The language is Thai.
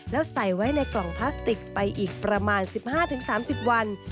แล้วใส่ไว้ในกล่องพลาสติกไปอีกประมาณ๑๕๓๐วัน